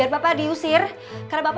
aku mau berangkat